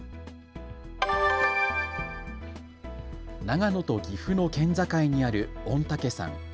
長野と岐阜の県境にある御嶽山。